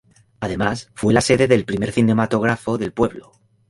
Además fue la sede del primer cinematógrafo del pueblo.